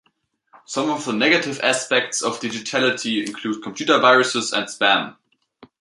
Some of the negative aspects of digitality include computer viruses and spam.